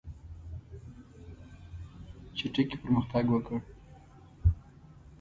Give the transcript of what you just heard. چټکي پرمختګ وکړ.